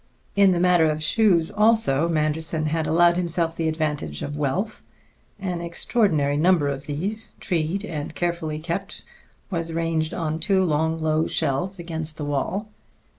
In the matter of shoes, also, Manderson had allowed himself the advantage of wealth. An extraordinary number of these, treed and carefully kept, was ranged on two long low shelves against the wall.